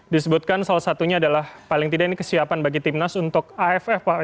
disebutkan salah satunya adalah paling tidak ini kesiapan bagi timnas untuk aff pak